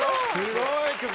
すごい曲。